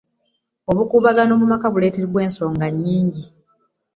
obukuubagano mu maka buleetebwa ensonga nnyingi.